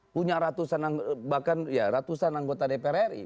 punya ratusan anggota dpr ri